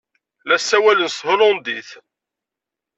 La ssawalen s thulandit.